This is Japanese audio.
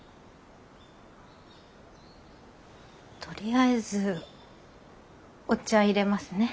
とりあえずお茶いれますね。